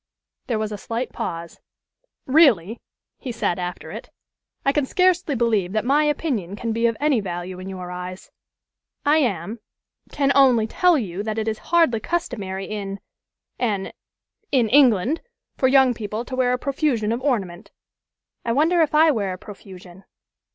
There was a slight pause. "Really," he said, after it, "I can scarcely believe that my opinion can be of any value in your eyes. I am can only tell you that it is hardly customary in an in England for young people to wear a profusion of ornament." "I wonder if I wear a profusion."